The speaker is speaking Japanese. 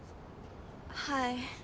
はい。